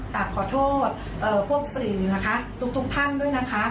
ตากขอโทษพวกศึบนะคะทุกท่านด้วยนะคะ